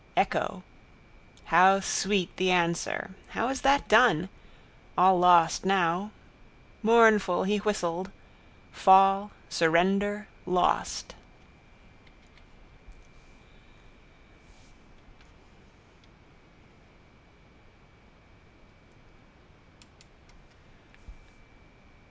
Echo. How sweet the answer. How is that done? All lost now. Mournful he whistled. Fall, surrender, lost.